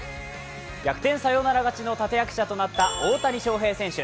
逆転サヨナラ勝ちの立て役者となった大谷翔平選手。